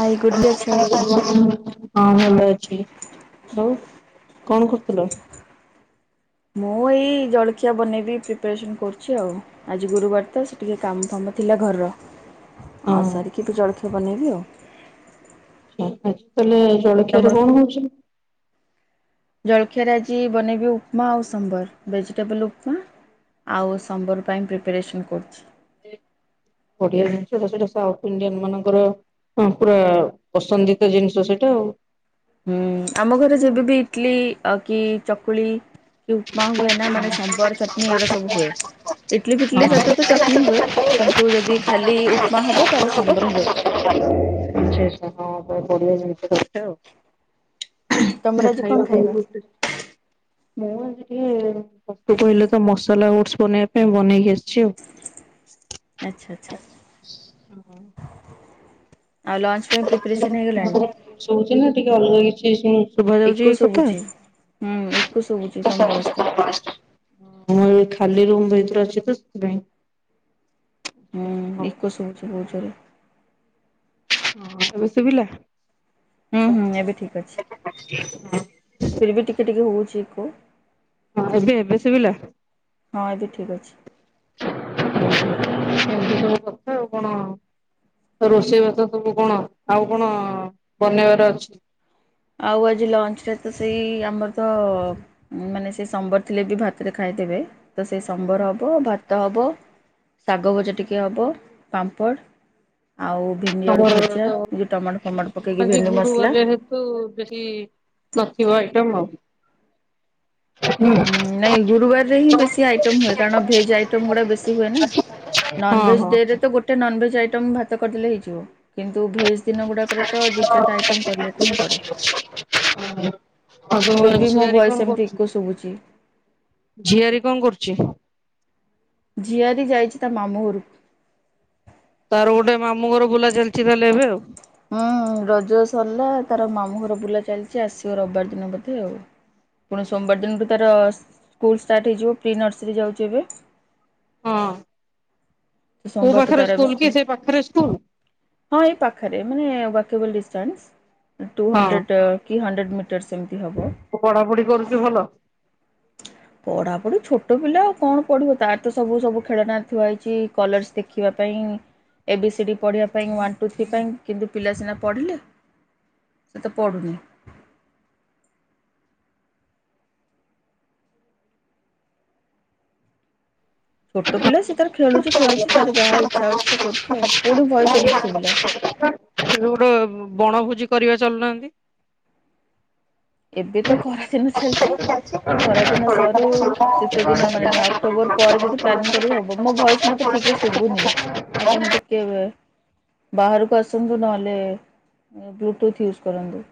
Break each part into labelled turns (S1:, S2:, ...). S1: High good day ଅଛ
S2: [unintelligible] ହଁ ଭଲ ଅଛି। ଆଉ କଣ କରୁଥିଲ।
S1: ମୁଁ ଏଇ ଜଳଖିଆ ବନେଇବି ପ୍ରିପାରେସନ୍ କରୁଚି ଆଉ। ଆଜି ଗୁରୁବାର ତ ସେ ଟିକେ କାମ ଫାମ ଥିଲା ଘରର।
S2: ହଁ
S1: ଆଉ
S2: ଆଛା
S1: ସାରିକି ତ ଚଳଖିଆ ବନେଇବି ଆଉ।
S2: ଆଛା ଆଜି ତାହେଲେ ଜଳଖିଆରେ
S1: ତମର
S2: କଣ ହଉଛି?
S1: ଜଳଖିଆରେ ଆଜି ବନେଇବି ଉପମା ଆଉ ସମ୍ବର ଭେଜିଟେବଲ୍ ଉପମା। ଆଉ ସମ୍ବର ପାଇଁ ପ୍ରିପାରେସନ୍ କରୁଛି।
S2: ଓଡିଆ ଜିନିଷଟା ସେଟା ସାଉଥ ଇଣ୍ଡିଆନ୍ ମାନଙ୍କର। ହଁ ପୁରା ପସନ୍ଦିତ ଜିନିଷ ସେଇଟା ଆଉ।
S1: ହୁଁ ଆମ ଘରେ
S2: ହୁଁ
S1: ଯେବେବି ଇଟଲି
S2: ହଁ
S1: କି ଚକୁଳି କି ଉପମା ହୁଏ ନା ମାନେ ସମ୍ବର ଚଟଣି ଏଗୁଡା ସବୁ ହୁଏ। ଇଟଲି ଫିଟଲି
S2: ଆଚ୍ଛା
S1: ସହିତ ତ ଚଟନୀ ହୁଏ କିନ୍ତୁ ଯଦି ଖାଲି ଉପମା ହବ ତାହେଲେ ସମ୍ବର ହୁଏ।
S2: [inaudible]
S1: ତମର ଆଜି କଣ ଖାଇବା
S2: [unintelligible] ମୁଁ ଆଜି ଟିକୁ କହିଲେ ତ ମସଲା ଓଟସ ବନେଇବା ପାଇଁ ବନେଇକି ଆସିଛି ଆଉ।
S1: ଆଛା ଆଛା ଆଉ ଲଞ୍ଚ ପାଇଁ ପ୍ରିପାରେସନ୍ ହେଇଗଲାଣି?
S2: ଶୁଭଚି ନା ଟିକେ ଅଲଗା କିଛି ଶୁଭା
S1: ଇକୋ
S2: ଯାଉଛି କଥା।
S1: ଶୁଭୁଛି। ହୁଁ ଇକୋ ଶୁଭୁଛି ତମ ଭଏସ ଟା
S2: [unintelligible] ହୁଁ ଖାଲି ରୁମ ଭିତରେ ଅଛି ତ ସେଥିପାଇଁ।
S1: ହୁଁ
S2: ହଁ
S1: ଇକୋ ସୁଭୁଛି ବହୁତ ଜୋରେ।
S2: ହଁ ଏବେ ଶୁଭିଲା
S1: ହୁଁ ହୁଁ ଏବେ
S2: [unintelligible]
S1: ଫିର୍ ବି ଟିକେ ଟିକେ ହଉଛି ଇକୋ।
S2: ହଁ ଏବେ ଏବେ ଏବେ ସୁବିଲା।
S1: ହଁ ଏବେ ଠିକ୍ ଅଛି।
S2: ଏମିତି ସବୁ କଥା ଆଉ କଣ ରୋଷେଇ ବାସ ସବୁ କଣ ଆଉ କଣ ବନେଇବାର ଅଛି।
S1: ଆଉ ଆଜି ଲଞ୍ଚରେ ତ ସେଇ ଆମର ତ ମାନେ ସେ ସମ୍ବର ଥିଲେ ବି ଭାତରେ ଖାଇଦେବେ ତ ସେ ସମ୍ବର ହବ ଭା ତ ହେବ ଶାଗ ଭଜା ଟିକେ ହବ ପାମ୍ପଡ଼ ଆଉ ଭେଣ୍ଡି ଆଳୁ
S2: ତମର ତ
S1: ଭଜା ଏଇ ଟମାଟୋ ଫମାଟୋ ପକେଇକି ଭେଣ୍ଡି ମସଲା
S2: ତୁ ବେଶୀ ନଥିବ ଆଇଟମ ଆଉ।
S1: ହୁଁ ନାଇଁ ଗୁରୁବାର ରେ ହିଁ ବେଶୀ ଆଇଟମ୍ ହୁଏ କାରଣ ଭେଜ ଆଇଟମ ଗୁଡା ବେଶୀ ହୁଏ ନା।
S2: ହଁ
S1: ନନଭେଜ
S2: ହଁ।
S1: ଡେରେ ତ ଗୋଟେ ନନଭେଜ ଆଇଟମ ଭାତ କରିଦେଲେ ହେଇଯିବ। କିନ୍ତୁ ଭେଜ ଦିନ ଗୁଡ଼ାକରେ ତ ଦୁଇ ଚାରିଟା ଆଇଟମ୍ କରିବାକୁ ହିଁ ପଡ଼େ।
S2: ଆଉ ତମ
S1: ଫିର ବି ମୋ
S2: ଝିଆରୀ କଣ
S1: ଭୟେସ ଏମିତି
S2: କରୁଛି?
S1: ଇକୋ ଶୁଭୁଛି।
S2: ଝିଆରୀ କଣ କରୁଛି?
S1: ଝିଆରୀ ଯାଇଛି ତା ମାମୁଁ ଘରକୁ।
S2: ତାର ଗୋଟେ ମାମୁଁ ଘର ବୁଲା ଚାଲିଛି ତାହେଲେ ଏବେ ଆଉ।
S1: ହଁ ରଜ ସରିଲା ତାର ମାମୁଁ ଘର ବୁଲା ଚାଲିଛି ଆସିବ ରବିବାର ଦିନ ବୋଧେ ଆଉ। ପୁଣି ସୋମବାର ଦିନଠୁ ତାର ସ୍କୁଲ ଷ୍ଟାର୍ଟ ହେଇଯିବ ପ୍ରି ନର୍ସରୀ ଯାଉଛି ଏବେ।
S2: ହଁ କୋଉ
S1: ସୋମବାରଠୁ
S2: ପାଖରେ
S1: ତାର ଏବେ
S2: ସ୍କୁଲ କି ସେ ପାଖରେ ସ୍କୁଲ।
S1: ହଁ ଏଇ ପାଖରେ ମାନେ ୱାକେବଲ୍ ଡିଷ୍ଟାନ୍ସ। ଟୁ
S2: ହଁ
S1: ହଣ୍ଡ୍ରେଡ଼୍ କି ହଣ୍ଡ୍ରେଡ଼୍ ମିଟର୍ସ ଏମିତି ହେବ।
S2: ପଢାପଢି କରୁଛି ଭଲ।
S1: ପଢ଼ାପଢ଼ି ଛୋଟ ପିଲା ଆଉ କଣ ପଢ଼ିବ ତାର ତ ସବୁ ସବୁ ଖେଳନା ଥୁଆ ହେଇଛି। କଲର୍ସ ଦେଖିବା ପାଇଁ ଏ ବି ସି ଡ଼ି ପଢ଼ିବା ପାଇଁ ୱାନ୍ ଟୁ ଥ୍ରୀ ପାଇଁ କିନ୍ତୁ ପିଲା ସିନା ପଢ଼ିଲେ। ସେ ତ ପଢ଼ୁନି। ଛୋଟ ପିଲା ସେ ତାର୍ ଖେଳୁଚି
S2: [inaudible]
S1: କୋଉଠି ଭଏସ୍
S2: ଏବେ
S1: ଏମିତି ଶୁଭିଲା
S2: ଗୋଟେ ବଣଭୋଜି କରିବା ଚାଲୁନାହାନ୍ତି,
S1: ଏବେ ତ ଖରାଦିନ ଚାଲିଚି, ଖରାଦିନ ସରୁ ଶୀତଦିନ ମାନେ ଆ କ୍ଟୋବର ପରେ ଯଦି ପ୍ଲାନିଂ କରି
S2: ହ୍ୟାଲୋ
S1: ହବ ମୋ ଭଏସ୍ ମତେ ଠିକରେ ଶୁବୁନି, ଆପଣ ଟିକେ ବେ ବାହାରକୁ ଆସନ୍ତୁ ନହେଲେ ଏ ବ୍ଲୁଟୁଥ୍ ୟୁଜ୍ କରନ୍ତୁ।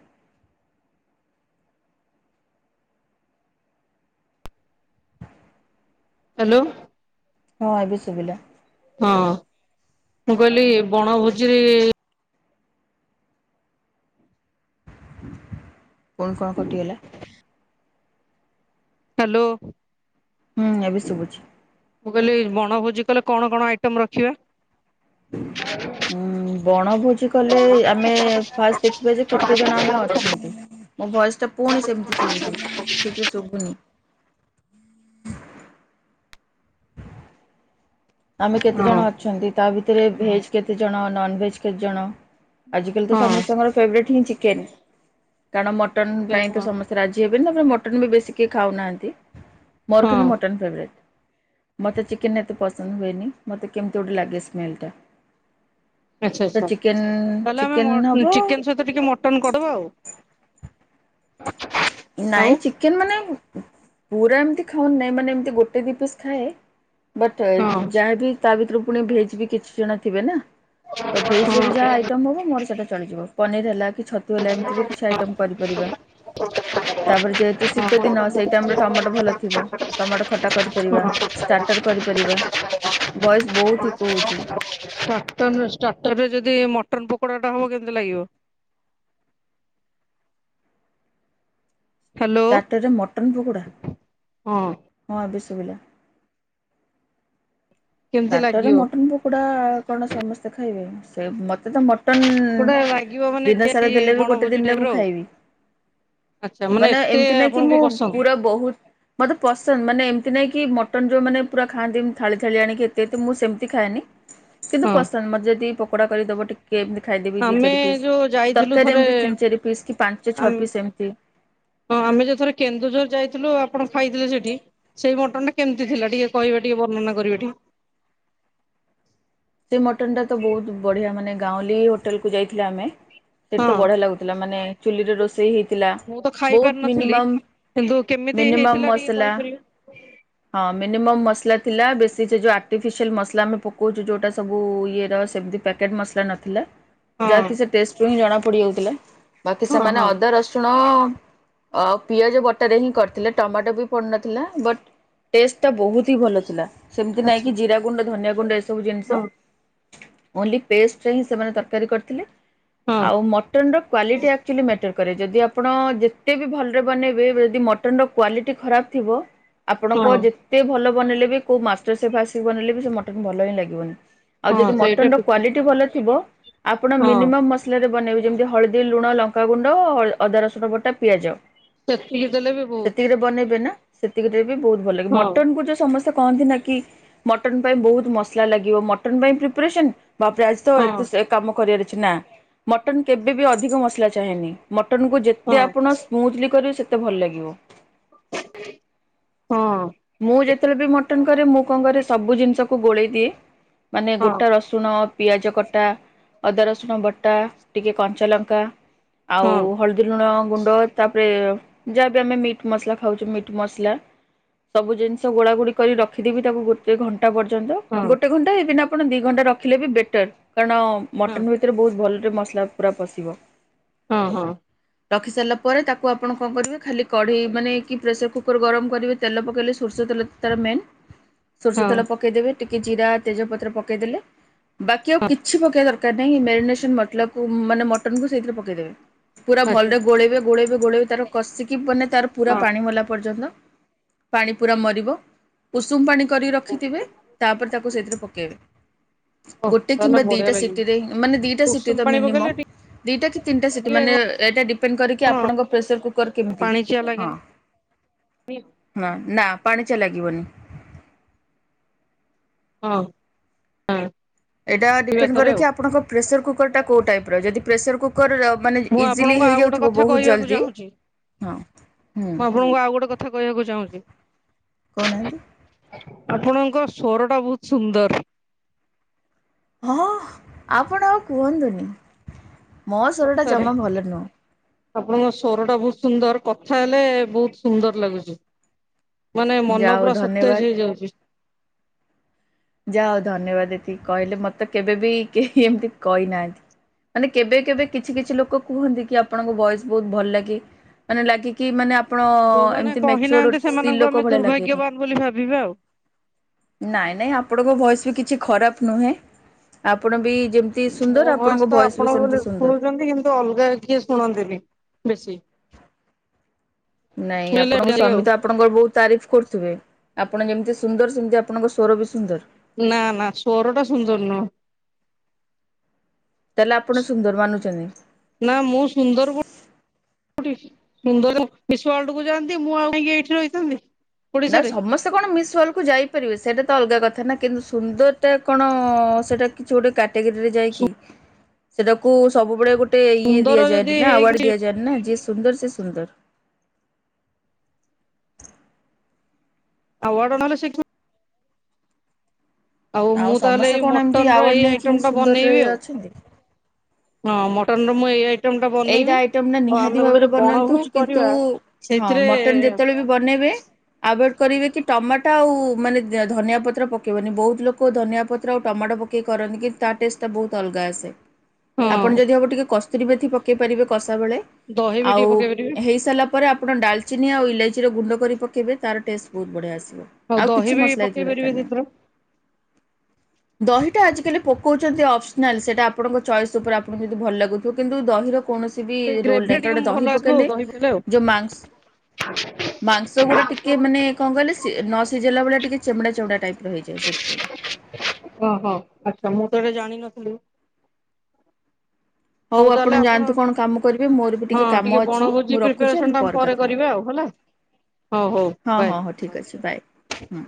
S2: ହ୍ୟାଲୋ
S1: ହଁ ଏବେ ଶୁବିଲା।
S2: ହଁ ମୁଁ କଇଲି ବଣଭୋଜିରେ
S1: ପୁଣି କଣ କଟିଗଲା?
S2: ହ୍ୟାଲୋ
S1: ହୁଁ ଏବେ ଶୁବୁଚି।
S2: ମୁଁ କଇଲି ବଣଭୋଜି କଲେ କଣ କଣ ଆଇଟମ ରଖିବା? [inaudible]
S1: ଉଁ ବଣଭୋଜି କଲେ ଆମେ ଫାଷ୍ଟ ଦେଖିବା ଯେ କେତେ ଜଣ ଆମେ ଅଛନ୍ତି? ମୋ ଭଏସଟା ପୁଣି ସେମିତି ଶୁବୁଚି, ଠିକ୍ରେ ଶୁବୁନି ଆମେ
S2: ହଁ
S1: କେତେ
S2: ହଁ
S1: ଜଣ ଅଛନ୍ତି ତା ଭିତରେ ଭେଜ୍ କେତେ ଜଣ ନନ ଭେଜ୍ କେତ୍ ଜଣ, ଆଜିକାଲି ତ
S2: ହଁ
S1: ସମସ୍ତଙ୍କର ଫେବରେଟ୍ ହିଁ ଚିକେନ୍ କାରଣ ମଟନ୍ ପାଇଁ ତ ସମ ତେ ରାଜି ହେବେନି, ତାପରେ ମଟନ ବି ବେଶୀ କିଏ ଖାଉନାହାନ୍ତି ମୋର କିନ୍ତୁ ମଟନ୍ ଫେବରେଟ୍। ମୋତେ ଚିକେନ୍ ଏତେ ପସନ୍ଦ ହୁଏନି, ମତେ କେମିତି ଗୋଟେ ଲାଗେ ସ୍ମେଲ୍ ଟା।
S2: ଆଚ୍ଛା
S1: ତ
S2: ଆଚ୍ଛା।
S1: ଚିକେନ୍ ଚିକେନ୍ ହବ,
S2: ତୁ ଟିକେ ମଟନ୍ କର୍ ଦବ ଆଉ, ଆଉ
S1: ନାଇଁ ଚିକେନ୍ ମାନେ ପୁରା ଏମତି ଖାଉନେ ମାନେ ଏମତି ଗୋଟେ ଦି ପିସ୍ ଖାଏ, ବଟ୍
S2: ହଁ।
S1: ଯାହାବି ତା ଭିତୁରୁ ପୁଣି ଭେଜ୍ ବି କିଛି ଜଣ ଥିବେ ନା। ତ
S2: ହଁ
S1: ଭେଜ୍ ରେ ବି ଯାହା ଆଇଟମ୍ ହବ ମୋର ସେଇଟା ଚଳିଯିବ, ପନିର୍ ହେଲା କି ଛତ୍ ତୁ ହେଲା ଏମିତି ବି କିଛି ଆଇଟମ୍ କରିପାରିବା। ତାପରେ ଯେହେତୁ ଶୀତ ଦିନ
S2: ଷ୍ଟାର୍ଟର
S1: ସେଇ ଟାମ୍ ରେ ଟମାଟ ଭଲ ଥିବ, ଟମାଟ ଖଟା କରିପାରିବା, ଷ୍ଟାଟର କରିପାରିବା, ଭଏସ୍ ବହୁତି ଇକୋ ହୋଉଚି।
S2: ହଁ [inaudible] ତନ ଷ୍ଟାର୍ଟର ରେ ଯଦି ମଟନ୍ ପକୋଡାଟା ହବ କେମିତି ଲାଗିବ? ହ୍ୟାଲୋ
S1: ଟାଟରେ ମଟନ ପକୋଡା,
S2: ହଁ
S1: ହଁ ଏବେ ସୁଭିଲା।
S2: କେମିତି
S1: ଟାଟରେ
S2: ଲାଗିବ?
S1: ମଟନ୍ ପକୋଡା କଣ ସମସ୍ତେ ଖାଇବେ, ସେ ମତେ ତ ମ ଟନ୍
S2: ଗୋଟେ ଲାଗିବ ମାନେ
S1: ଦିନ ସାରା
S2: ଭିଆପି
S1: ଦେଲେ ବି ଗୋଟେ
S2: ବଣଭୋଜି
S1: ଦିନ୍ ରେ
S2: ଟାଇପ
S1: ମୁଁ
S2: ର ଆଉ।
S1: ଖାଇବି।
S2: ଆଚ୍ଛା
S1: ମାନେ
S2: ଏତେ
S1: ଏମିତି ନାଇଁ କି
S2: ଆପଣଙ୍କୁ
S1: ମୁଁ
S2: ପସନ୍ଦ
S1: ପୁରା ବହୁତ୍ ମତେ ପସନ୍ଦ ମାନେ ଏମିତି ନାଇଁ କି ମଟନ୍ ଯୋଉ ମାନେ ପୁରା ଖାଆନ୍ତି ଏମିତି ଥାଳି ଥାଳି ଆଣିକି ଏ ତେ ତୁ ମୁଁ ସେମିତି ଖାଏନି, କିନ୍ତୁ
S2: ହଁ
S1: ପସନ୍ଦ ମ ଯେଦି ପକୋଡ଼ା କରିଦବ ଟିକ୍ କିଏ ଏମିତି ଖାଇଦେବି ଦି
S2: ଆମେ
S1: ଚାରି ପିସ୍,
S2: ଯୋଉ ଯାଇଥିଲୁ
S1: ତରକାରୀ
S2: ଥରେ
S1: ଏମିତି ତିନି ଚାରି ପିସ୍ କି ପାଞ୍ଚ
S2: ଆମ
S1: ଛଅ ପିସ୍ ଏମିତି।
S2: ହଁ ଆମେ ଯୋଉ ଥରେ କେନ୍ଦୁଝର ଯାଇଥିଲୁ ଆପଣ ଖାଇଥିଲେ ସେଠି, ସେଇ ମଟନ୍ ଟା କେମିତି ଥିଲା ଟିକେ କହିବେ ଟିକେ ବର୍ଣ୍ଣନା କରିବେ ଏଠି
S1: ସେଇ ମଟନ ଟା ତ ବହୁତ ବଢିଆ ମାନେ ଗାଉଁଲି ହୋଟେଲ୍ କୁ ଯାଇଥିଲେ ଆମେ। ସେଠିତ
S2: ହଁ
S1: ବଢିଆ ଲାଗୁଥିଲା। ମାନେ ଚୁଲିରେ ରୋଷେଇ ହେଇଥିଲା ବହୁତ ମିନିମମ୍
S2: ହୀନ୍ତୁ କେମିତି
S1: ମିନିମମ୍
S2: ହେଇଥିଲା ଟିକେ
S1: ମସଲା
S2: କହିପାରିବେ?
S1: ହଁ ମିନିମମ୍ ମସଲା ଥିଲା, ବେଶୀ ସେ ଯୋଉ ଆର୍ଟିଫିସିଆଲ ମସଲା ଆମେ ପକୌଚୁ ଯୋଉଟା ସବୁ ଇଏ ର ସେମିତି ପ୍ୟାକେଟ ମସଲା ନଥିଲା
S2: ହଁ
S1: ଯାହାକି ସେ ଟେଷ୍ଟ ରୁ ହିଁ ଜଣା ପଡିଯାଉଥିଲା। ବାକି
S2: ହଁ
S1: ସେମାନେ
S2: ହଁ
S1: ଅଦା ରସୁଣ ଅ ପିଆଜ ବଟାରେ ରେ ହିଁ କରିଥିଲେ ଟମାଟୋ ବି ପଡିନଥିଲା ବଟ୍ ଟେଷ୍ଟ ଟା ବହୁତ୍ ତି ଭଲ ଥିଲା ସେମିତି ନାଇଁ
S2: ଆଚ୍ଛା
S1: କି ଜିରା ଗୁଣ୍ଡ ଧନିଆଁ ଗୁଣ୍ଡ ଏସବୁ ଜିନିଷ
S2: ହଁ
S1: ଓନ୍ଲି ପେଷ୍ଟରେ ହିଁ ସେମାନେ ତରକାରୀ କରିଥିଲେ
S2: ହଁ
S1: ଆଉ ମଟନର କ୍ୱାଲିଟି ଆ ଆକ୍ଚୁଲି ମ୍ୟାଟର୍ କରେ ଯଦି ଆପଣ ଯେତେ ବି ଭଲରେ ବନେଇବେ ଯଦି ମଟନର କ୍ୱାଲିଟି ଖରାପ୍ ଥିବ। ଆପଣଙ୍କ
S2: ହଁ
S1: ଯେତେ ଭଲ ବନେଇଲେବି କୋଉ ମାଷ୍ଟର ସେଫ୍ ଆସି ବନେଇଲେ ବି ସେ ମଟନ ଭଲ ହିଁ ଲାଗିବନି। ଆଉ
S2: ହଁ
S1: ଯଦି
S2: ସେଇଟା
S1: ମଟନର
S2: ଠିକ
S1: କ୍ୱାଲିଟୀ
S2: କଥା
S1: ଭଲ ଥିବ ଆପଣ
S2: ହଁ
S1: ମିନିମମ୍ ମସ୍ ମସଲାରେ ବନେଇବେ ଯେମିତି ହଳଦୀ ଲୁଣ ଲଙ୍କାଗୁଣ୍ଡ ଅଦା ରସୁଣ ବଟା ପିଆଜ।
S2: ସେତିକି ଦେଲେ ବି ବହୁତ
S1: ସେତିକିରେ ବନେଇବେ ନା ସେତିକିରେ ବି ବହୁତ ଭଲ ଲାଗିବ
S2: ହଁ
S1: ମଟନକୁ ଟ ସମସ୍ତେ କହନ୍ତି ନା କି ମଟନ୍ ପାଇଁ ବହୁତ ମସଲା ଲାଗିବ ମଟନ୍ ପାଇଁ ପ୍ରିପାରେସନ୍ ବାପ୍ରେ ଆଜି ତ
S2: ହଁ
S1: ଏତେ ସେ ଏତେ କାମ କରିଆରଅଛିନା ମଟନ୍ କେବେ ବି ଅଧିକ ମସଲା ଚାହେଁନି ମଟନକୁ ଯେତେ
S2: ହଁ
S1: ଆପଣ ସ୍ମୁଥ୍ଲି କରିବ ସେତେ ଭଲ ଲାଗିବ।
S2: ହଁ।
S1: ମୁଁ ଯେତେବେଳେବି ମଟନ କରେ ମୁଁ କଣ କରେ ସବୁ ଜିନିଷକୁ ଗୋଳେଇ ଦିଏ ମାନେ
S2: ହଁ
S1: ଗୋଟା ରସ୍ ସୁଣ ପିଆଜ କଟା ଅଦା ରସୁଣ ବଟା ଟିକେ କଞ୍ଚାଲଙ୍କା ଆଉ
S2: ହଁ
S1: ହଳଦୀ ଲୁଣ ଗୁଣ୍ଡ ତାପରେ ଯାହାବି ଆମେ ମିଟ୍ ମସଲା ଖାଉଛୁ ମିଟ୍ ମସଲା ସବୁ ଜିନିଷ ଗୋଳା ଗୋଳି କରି ରଖିଦେବୀ ତାକୁ ଗୋଟେ ଘଣ୍ଟା ପର୍ଯ୍ୟନ୍ତ
S2: ହଁ
S1: ଗୋଟେ ଘଣ୍ଟା ଏଇବିନା ଆପଣ ଦିଘଣ୍ଟା ରଖିଲେବି ବେଟର କାରଣ
S2: ହଁ
S1: ମଟନ ଭିତରେ ବହୁତ ଭଲରେ ମସଲା ପୁରା ପଶିବ।
S2: ହଁ ହଁ।
S1: ରଖିସାରିଲା ପରେ ତାକୁ ଆପଣ କଣ କରିବେ ଖାଲି କଢ଼େଇ ମାନେ କି ପ୍ରେସର କୁକର୍ ଗରମ କରିବେ ତେଲ ପକେଇଲେ ସୋରିଷ ତେଲ ତାର ମେନ୍ ସୋରିଷ
S2: ହଁ
S1: ତେଲ ପକେଇଦେବେ। ଟିକେ ଜିରା ତେଜପତ୍ର ପକେଇଦେଲେ ବାକି ଆଉ କିଛି ପକେଇବାର ଦରକାର ନାହିଁ ମେନ୍‌ ମେସନ ମସଲା କୁ ମାନେ ମଟନକୁ ସେଇଥିରେ ପକେଇ ଦେବେ ପୁରା
S2: ଆଚ୍ଛା
S1: ଭଲରେ ଗୋଳେଇବେ ଗୋଳେଇବ ଗୋଳେଇବ ତାର କଷିକି ମାନେ ତାର ପୁରା
S2: ହଁ
S1: ପାଣି ମଲା ପର୍ଯ୍ୟନ୍ତ ପାଣି ପୁରା ମରିବ ଉଷୁମ ପାଣି କରିକି ରଖିଥିବେ ତାପରେ ତାକୁ ସେଇଥିରେ ପକାଇବେ।
S2: ଓ
S1: ଗୋଟେ
S2: ତାହେଲେ
S1: କିମ୍ବା
S2: ବଢିଆ
S1: ଦିଟା
S2: ଲାଗିବ
S1: ସିଟିରେ ମାନେ ଦିଟା
S2: ଉଷୁମ
S1: ସିଟିର
S2: ପାଣି ପକେଇଲେ
S1: ମିନିମମ୍ ଦିଟା କି ତିନିଟା ସିଟି
S2: ଟିକେ
S1: ମାନେ ଏଇଟା ଡିପେଣ୍ଡ କରିକି
S2: କଣ
S1: ଆପଣଙ୍କ ପ୍ରେସର କୁକର କେମିତି
S2: ପାଣିଚିଆ
S1: ହଁ
S2: ଲାଗେନି
S1: ହଁ ନା ପାଣି ଚା ଲାଗିବନି।
S2: ହଁ। ହଁ
S1: ଏଇଟା
S2: ପିଇବା
S1: ଡିପେଣ୍ଡ୍ରେ
S2: ଥରେ
S1: କରେ
S2: ଆଉ
S1: କି ଆପଣଙ୍କ ପ୍ରେସର କୁରଟା କୋଉ ଟାଇପ୍ର ଯଦି ପ୍ରେସର କୁ କରିଲ ମାନେ
S2: ମୁଁ
S1: ଇଜିଲି
S2: ଆପଣଙ୍କୁ ଆଉ ଗୋଟେ
S1: ହେଇଯାଉଥିବ
S2: କଥା
S1: ବହୁତ
S2: କହିବାକୁ
S1: ଜଲଦି
S2: ଚାହୁଁଛି
S1: ହଁ। ହୁଁ
S2: ମୁଁ ଆପଣଙ୍କୁ ଆଉ ଗୋଟେ କଥା କହିବାକୁ ଚାହୁଁଚି।
S1: କହୁନାହାନ୍ତି।
S2: ଆପଣଙ୍କ ସ୍ୱର ଟା ବହୁତ ସୁନ୍ଦର।
S1: ହଁ ଆପଣ ଆଉ କୁହନ୍ତୁନି ମୋ ସ୍ୱରଟା
S2: ସତରେ
S1: ଜମା ଭଲ ନୁହେଁ।
S2: ଆପଣଙ୍କ ସ୍ୱର ଟା ବହୁତ ସୁନ୍ଦର କଥା ହେଲେ ବହୁତ ସୁନ୍ଦର ଲାଗୁଚି। ମାନେ
S1: ଯାହା
S2: ମନ
S1: ହଉ
S2: ପୁରା ସତେଜ
S1: ଧନ୍ୟବାଦ।
S2: ହେଇଯାଉଚି।
S1: ଯା ହଉ ଧନ୍ୟବାଦ ଏଠି କହିଲେ ମତେ କେବେ ବିି କେହି ଏମିତି କହିନାହାନ୍ତି। ମାନେ କେବେ କେବେ କିଛି କିଛି ଲୋକ କୁହନ୍ତି କି ଆପଣଙ୍କ ଭଏସ ବହୁତ ଭଲ ଲାଗେ। ମାନେ ଲାଗିକି ମାନେ ଆପଣ
S2: ଯୋଉମାନେ
S1: ଏମତି ମେଚର
S2: କହିନାହାନ୍ତି
S1: ସ୍ତ୍ରୀ
S2: ସେମାନଙ୍କୁ
S1: ଲୋକ
S2: ଆମେ
S1: ଭଳିଆ ଲାଗେନି।
S2: ଦୁର୍ଭାଗ୍ୟବାନ ବୋଲି ଭାବିବା ଆଉ
S1: ନାଇଁ ନାଇଁ ଆପଣଙ୍କ ଭୟସ ବି କିଛି ଖରାପ ନୁହେଁ ଆପଣ ବି ଯେମ ତି
S2: ମୋ
S1: ସୁନ୍ଦର
S2: ଭୟସ
S1: ଆପଣଙ୍କ ଭଏସ୍
S2: ଆପଣ
S1: ବି
S2: ବୋଲି
S1: ସେମିତି ସୁନ୍ଦର।
S2: ଶୁଣୁଛନ୍ତି ତ କିନ୍ତୁ ଅଲଗା କିଏ ଶୁଣନ୍ତିନି ବେଶୀ ତ
S1: ନାଇଁ
S2: ଶୁଣିଲେ
S1: ଆପଣଙ୍କ
S2: ଆଉ
S1: ସ୍ୱାମୀତ ଆପଣଙ୍କର ବହୁତ ତାରିଫ କରୁଥିବେ ଆପଣ ଯେମିତି ସୁନ୍ଦର ସେମିତି ଆପଣଙ୍କ ଶ୍ଵର ବି ସୁନ୍ଦର।
S2: ନାଁ ନାଁ ସୋରଟା ସୁନ୍ଦରନୁହଁ।
S1: ତାହେଲେ ଆପଣ ସୁନ୍ଦର ମାନୁଛନ୍ତି।
S2: ନା ମୁଁ ସୁନ୍ଦର କ ସୁନ୍ଦର [inaudible] ଯାଆନ୍ତି ମୁଁ ଆଉ କାହିଁକି ଏଇଠି ରହିଥାନ୍ତି।
S1: ନା
S2: ଓଡିଶାରେ
S1: ସମସ୍ ସେ କଣ ମିସ୍ ୱାର୍ଲଡ଼କୁ ଯାଇପାରିବେ ସେଇଟା ତ ଅଲଗା କଥା ନା କିନ୍ତୁ ସୁନ୍ଦରଟା କଣ ସେଟା କିଛି ଗୋଟେ କାଟାଗେରୀରେ ଯାଏକି ସେଟାକୁ ସବୁବେଳେ ଗୋଟ ଗୋଟେ ଇଏ
S2: ସୁନ୍ଦର ଯଦି
S1: ଦିଆଯାଏନି ନା ଆୱାର୍ଡ
S2: ହେଇକି
S1: ଦିଆଯାଏନି ନା ଜିଏ ସୁନ୍ଦର ସେ ସୁନ୍ଦର।
S2: ଆୱାର୍ଡ ନହେଲେ ସେ କ ଆଉ ମୁଁ ତାହେଲେ
S1: ସମସ୍ତେ
S2: ଏଇ
S1: କଣ ଏମିତି
S2: ମଟନର
S1: ଆୱାର୍ଡ
S2: ଏଇ
S1: ନେଇକି ହିଁ
S2: ଆଇଟମ୍ଟା
S1: ସୁନ୍ଦରରେ
S2: ବନେଇବି ଆଉ।
S1: ଅଛନ୍ତି।
S2: ହଁ ମଟନ ର ମୁଁ ଏଇ ଆଇଟମ ଟା
S1: ଏଇଟା
S2: ବନେଇବି
S1: ଆଇଟମ ନା
S2: ଆଉ ଆମେ
S1: ନିହାତି
S2: ଗୋଟେ
S1: ଭାବରେ
S2: ଯୋଉ
S1: ବନାନ୍ତୁ
S2: ବଣଭୋଜି
S1: କିନ୍ତୁ
S2: କରିବା
S1: ହଁ
S2: ସେଇଥିରେ
S1: ମଟନ ଯେତେବେଳେ ବି ବନେଇବେ ଆଭଏଡ କରିବେ କି ଟମାଟୋ ଆଉ ମାନେ ଧନିଆ ପତ୍ର ପକେଇବନି ବହୁତ ଲୋକ ଧନିଆ ପତ୍ର ଆଉ ଟମାଟୋ ପକେଇ କେଇ କରନ୍ତି କିନ୍ତୁ ତା ଟେଷ୍ଟଟା ବହୁତ ଅଲଗା ଆସେ।
S2: ହଁ
S1: ଆପଣ ଯଦି ହବ ଟିକେ କସ୍ତୁରୀ ପକେଇ ପାରିବେ କଷା ବେଳେ
S2: ଦହି ବି
S1: ଆଉ
S2: ଟିକେ ପକେଇ ପାରିବେ
S1: ହେଇସାରିଲା ତା ପରେ ଆପଣ ଡାଲଚିନି ଆଉ ଇଲାଇଚିର ଗୁଣ୍ଡ କରି ପକେଇବେ ତାର ଟେଷ୍ଟ ବହୁତ ବଢ଼ିଆ ଆସିବ।
S2: ଆଉ
S1: କିଛି
S2: ଦହି ବି
S1: ମସଲା ଏଥିରେ
S2: ପକେଇ
S1: ଦରକାର
S2: ପାରିବେ
S1: ନାହିଁ
S2: ସେଥିର
S1: ଦହିଟା ଆଜିକାଲି ପକଉଛନ୍ତି ଅପସନାଲ ସେଟା ଆପଣଙ୍କ ଚଏସ୍ ଉପରେ ଆପଣଙ୍କୁ ଯଦି ଭଲ ଲାଗୁଥିବ କିନ୍ତୁ ଦହିର କୌଣସି ବି
S2: ସେ
S1: ରୋଲ
S2: ଗ୍ରେଭି ଟା
S1: ନାହିଁ
S2: ଟିକେ
S1: କାରଣ
S2: ଭଲ
S1: ଦହି ପକେଇଲେ ଯୋଉ ମା
S2: ହଁ।
S1: ମାଂସ ଗୁଡା ଟିକେ ମାନେ କଣ କହିଲ ନ ସିଝିଲଲା ଭଳିଆ ଟିକେ ଚେମଡ଼ା ଚେମଡ଼ା ଟାଇପ ର ହେଇଯିବ ସେଥିପାଇଁ।
S2: ଓହୋ ଆଚ୍ଛା ମୁଁ ତ ଏଟା ଜାଣିନଥିଲି। ହଉ ତାହେଲେ ଆପଣ
S1: ଯାଆନ୍ତୁ କଣ କାମ କରିବେ ମୋର ବି
S2: ହଁ
S1: କାମ
S2: ଟିକେ
S1: ଅଛି ମୁଁ
S2: ବଣଭୋଜି
S1: ରଖୁଛି
S2: ପ୍ରିପାରେସନ ଟା ଆମେ ପରେ
S1: କଥା ହେବା
S2: କରିବା ଆଉ ହେଲା। ହଉ ହଉ
S1: ହଁ
S2: ବାଏ।
S1: ହଁ ହଉ ଠିକ୍ ଅଛି ବାଏ ହଁ।